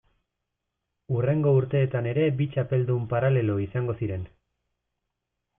Hurrengo urteetan ere bi txapeldun paralelo izango ziren.